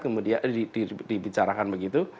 kemudian dibicarakan begitu